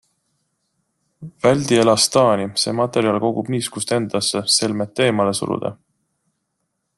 Väldi elastaani, see materjal kogub niiskust endasse, selmet eemale suruda.